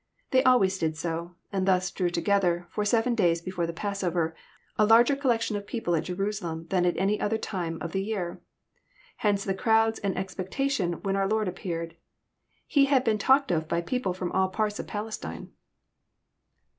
They always did so ; and thus drew together, for seven days before the pass over, a larger collection of people at Jerusalem than at any other time of the year. Hence the crowds and expectation when our Lord appeared. He had been talked of by people from all parts of Palestine.